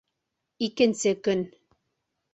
Икенсе көн